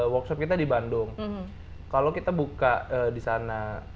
workshop kita di bandung kalau kita buka di sana